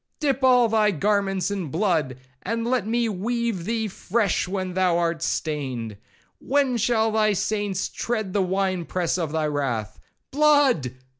—Dip all thy garments in blood, and let me weave thee fresh when thou art stained.—When shall thy saints tread the winepress of thy wrath? Blood!